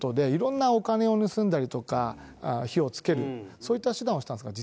そういった手段をしたんですが。